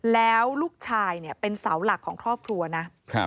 แล้วลูกชายเนี่ยเป็นเสาหลักของครอบครัวนะ